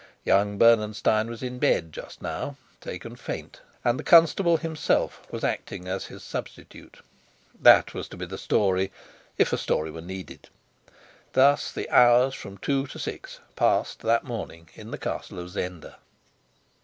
Young Bernenstein was in bed just now, taken faint, and the constable himself was acting as his substitute; that was to be the story, if a story were needed. Thus the hours from two to six passed that morning in the castle of Zenda.